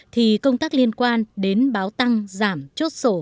thì công tác liên quan đến báo tăng giảm chốt sổ